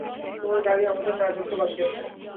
তোমার গাড়ি আমাদের চারজনকে বাঁচিয়েছে।